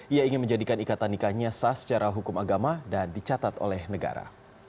ia ingin menjadikan ikatan nikahnya sah secara hukum agama dan dicatat oleh negara